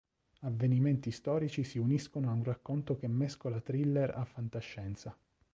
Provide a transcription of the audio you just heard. Avvenimenti storici si uniscono a un racconto che mescola thriller a fantascienza.